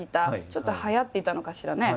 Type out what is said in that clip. ちょっとはやっていたのかしらね。